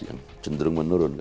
yang cenderung menurun